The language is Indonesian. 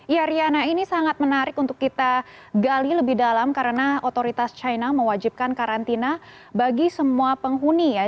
ya riana ini sangat menarik untuk kita gali lebih dalam karena otoritas china mewajibkan karantina bagi semua penghuni ya